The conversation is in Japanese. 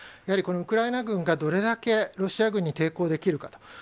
やはりこのウクライナ軍が、どれだけロシア軍に抵抗できるかと。